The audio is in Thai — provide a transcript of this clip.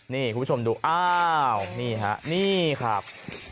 นี่คุณผู้ชมดูอ้าวนี่ฮะนี่ครับ